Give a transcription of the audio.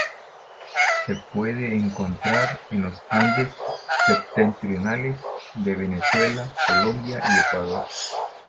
Se puede encontrar en los Andes septentrionales de Venezuela, Colombia y Ecuador.